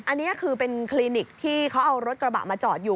อันนี้คือเป็นคลินิกที่เขาเอารถกระบะมาจอดอยู่